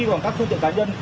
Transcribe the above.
vào các phương tiện cá nhân